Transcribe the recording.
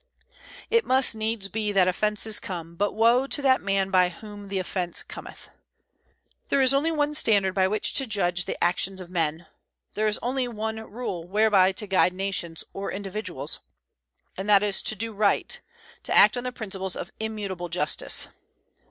"It must needs be that offences come; but woe to that man by whom the offence cometh." There is only one standard by which to judge the actions of men; there is only one rule whereby to guide nations or individuals, and that is, to do right; to act on the principles of immutable justice.